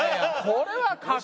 これは。